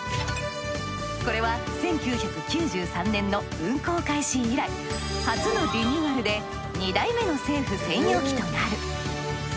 これは１９９３年の運航開始以来初のリニューアルで２代目の政府専用機となる。